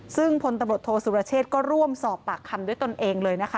ซึ่งพลตำรวจโทษสุรเชษก็ร่วมสอบปากคำด้วยตนเองเลยนะคะ